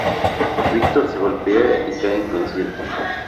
Víctor se golpea y cae inconsciente.